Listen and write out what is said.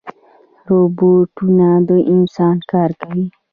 روبوټونه د انسان کار کوي